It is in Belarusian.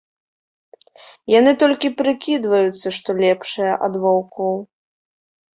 Яны толькі прыкідваюцца, што лепшыя ад ваўкоў.